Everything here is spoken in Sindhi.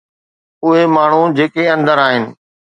اهي ماڻهو جيڪي اندر آهن.